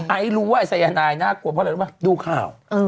ไอ้รู้ว่าไอ้ไซยานายน่ากลัวเพราะแหละว่าดูข่าว